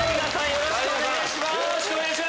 よろしくお願いします。